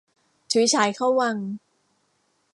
ฉุยฉายเข้าวัง